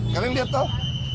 kalian lihat tahu